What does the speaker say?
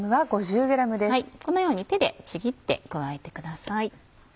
このように手でちぎって加えてください。